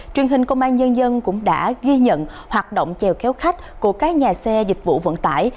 truyền hình công an nhân dân cũng đã ghi nhận hoạt động trèo kéo khách của các nhà xe dịch vụ vận tải